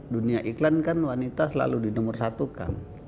dunia iklan kan wanita selalu dinomorsatukan